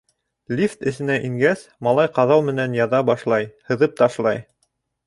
Лифт эсенә ингәс, малай ҡаҙау менән яҙа башлай... һыҙып ташлай...